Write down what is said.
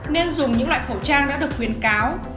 nên dùng những loại khẩu trang đã được khuyến cáo